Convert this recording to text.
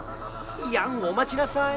いやんおまちなさい。